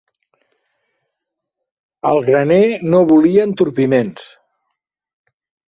El graner no volia entorpiments.